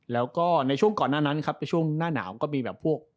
แล้วก็ในช่วงก่อนหน้านั้นครับในช่วงหน้าหนาวก็มีแบบพวก